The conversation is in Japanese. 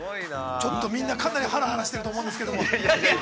みんなかなりはらはらしてると思うんですけれども。